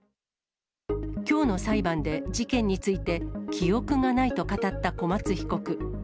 きょうの裁判で、事件について記憶がないと語った小松被告。